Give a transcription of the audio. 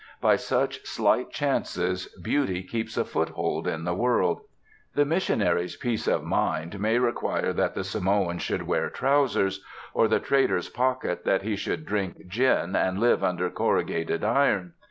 By such slight chances beauty keeps a foothold in the world. The missionary's peace of mind may require that the Samoan should wear trousers, or the trader's pocket that he should drink gin and live under corrugated iron.